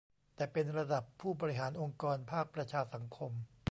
แต่เป็นระดับผู้บริหารองค์กรภาคประชาสังคม